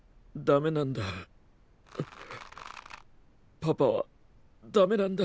パパはダメなんだ。